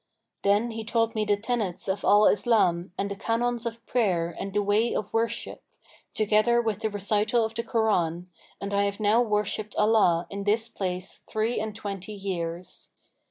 Then he taught me the tenets of Al Islam and the canons of prayer and the way of worship, together with the recital of the Koran, and I have now worshipped Allah in this place three and twenty years.